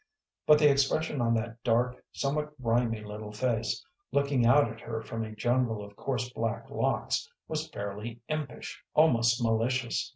But the expression on that dark, somewhat grimy little face, looking out at her from a jungle of coarse, black locks, was fairly impish, almost malicious.